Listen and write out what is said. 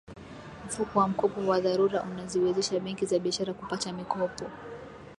mfuko wa mkopo wa dharura unaziwezesha benki za biashara kupata mikopo